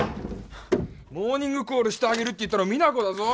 モーニングコールしてあげるって言ったの実那子だぞ。